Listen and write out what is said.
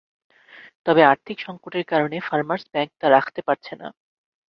তবে আর্থিক সংকটের কারণে ফারমার্স ব্যাংক তা রাখতে পারছে না।